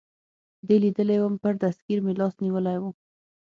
دې لیدلی ووم، پر دستګیر مې لاس نیولی و.